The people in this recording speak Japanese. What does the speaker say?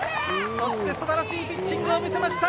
そして素晴らしいピッチングを見せました。